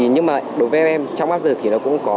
nhưng mà đối với em trong áp lực thì nó cũng có